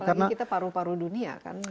apalagi kita paru paru dunia kan